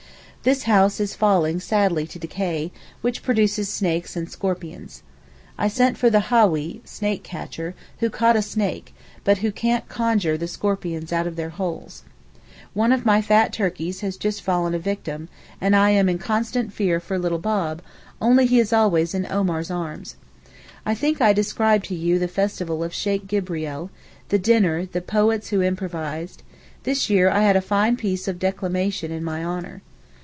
This house is falling sadly to decay, which produces snakes and scorpions. I sent for the hawee (snake catcher) who caught a snake, but who can't conjure the scorpions out of their holes. One of my fat turkeys has just fallen a victim, and I am in constant fear for little Bob, only he is always in Omar's arms. I think I described to you the festival of Sheykh Gibrieel: the dinner, and the poets who improvised; this year I had a fine piece of declamation in my honour.